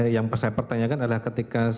yang saya pertanyakan adalah ketika